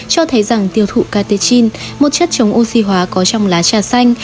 cho thấy rằng tiêu thụ katechin một chất chống oxy hóa có trong lá trà xanh